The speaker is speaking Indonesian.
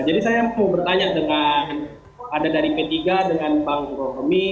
jadi saya mau bertanya dengan ada dari p tiga dengan bang romi